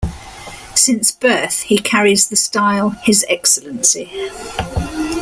Since birth he carries the style "His Excellency".